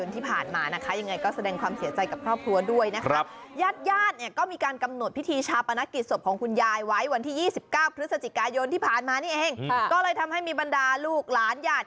ตั้งแต่วันที่๑๙พฤศจิกายนที่ผ่านมานะคะ